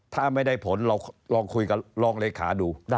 ถ้าไม่ได้ผลเราลองคุยกับลองเลขาดู